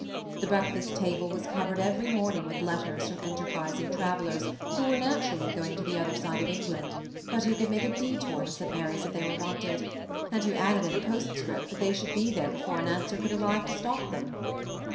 The breakfast table was cov ered eveiy morning with letters from enterprisiBg' trsr* ellers, who were natorallj going to the other side of England ; but who could make a detour to St Maiy's if they were wanted, and who added in a postscript that they should be there before an answer could arrive to stop them.